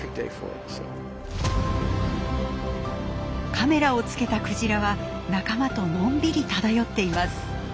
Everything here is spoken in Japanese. カメラをつけたクジラは仲間とのんびり漂っています。